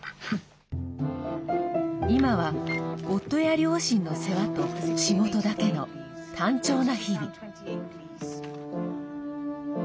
今は、夫や両親の世話と仕事だけの単調な日々。